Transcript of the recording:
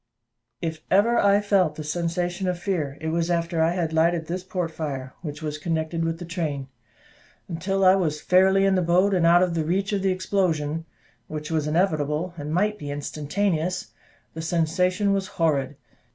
If ever I felt the sensation of fear, it was after I had lighted this port fire, which was connected with the train. Until I was fairly in the boat, and out of the reach of the explosion which was inevitable, and might be instantaneous the sensation was horrid.